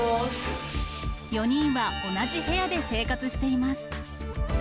４人は同じ部屋で生活しています。